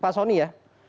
pak sony ya